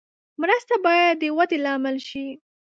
مرسته باید د ودې لامل شي.